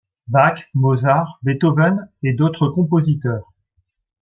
Bach, Mozart, Beethoven et d'autres compositeurs.